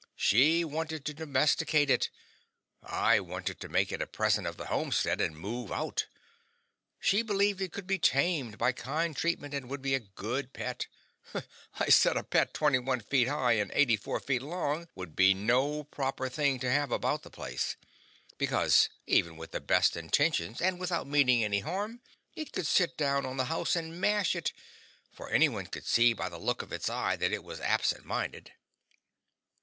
She wanted to domesticate it, I wanted to make it a present of the homestead and move out. She believed it could be tamed by kind treatment and would be a good pet; I said a pet twenty one feet high and eighty four feet long would be no proper thing to have about the place, because, even with the best intentions and without meaning any harm, it could sit down on the house and mash it, for any one could see by the look of its eye that it was absent minded.